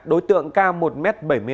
đối tượng cao một m bảy mươi năm